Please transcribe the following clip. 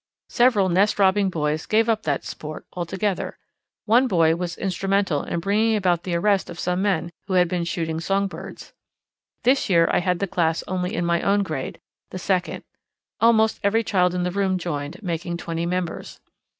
Several nest robbing boys gave up that 'sport' altogether. One boy was instrumental in bringing about the arrest of some men who had been shooting song birds. This year I had the class only in my own grade the second. Almost every child in the room joined, making twenty members.